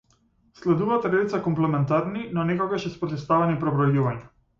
Следуваат редица комплементарни, но некогаш и спротивставени пребројувања.